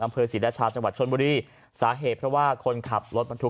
อำเภอศรีราชาจังหวัดชนบุรีสาเหตุเพราะว่าคนขับรถบรรทุก